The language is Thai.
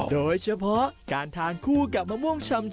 โดยเฉพาะการทานคู่กับมะม่วงชำ